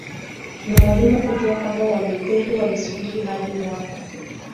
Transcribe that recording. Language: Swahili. Ni muhimu kujua kwamba Walutheri walisubiri hadi mwaka